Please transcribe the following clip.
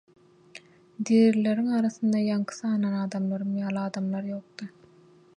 Dirileriň arasynda ýaňky sanan adamlarym ýaly adamlar ýokdy.